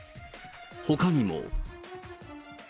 ほかにも。